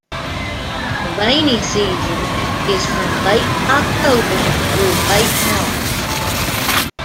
The rainy season is from late October through late March.